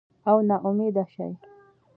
او نا امیده شي